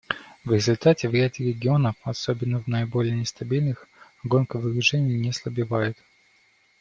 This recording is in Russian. В результате в ряде регионов, особенно в наиболее нестабильных, гонка вооружений не ослабевает.